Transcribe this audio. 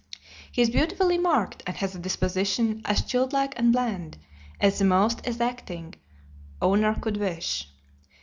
He is beautifully marked, and has a disposition as "childlike and bland" as the most exacting owner could wish.